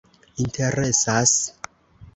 interesas